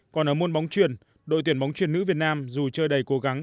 còn ở môn bóng chuyển đội tuyển bóng chuyển nữ việt nam dù chơi đầy cố gắng